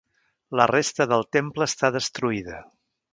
La resta del temple està destruïda.